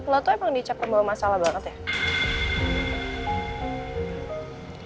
lo tuh emang dicapai bawa masalah banget ya